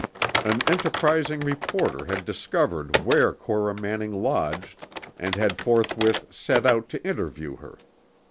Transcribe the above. An enterprising reporter had discovered where Cora Manning lodged and had forthwith set out to interview her.